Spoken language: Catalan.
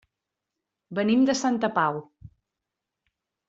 Venim de Santa Pau.